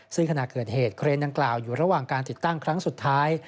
ซึ่งขณะเกิดเหตุเครนดังกล่าวอยู่ระหว่างการติดตั้งครั้งสุดท้าย